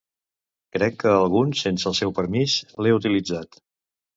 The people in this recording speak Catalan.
Crec que algun sense el seu permís l'he utilitzat.